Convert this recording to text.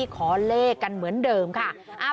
ขอเลขกันเหมือนเดิมค่ะ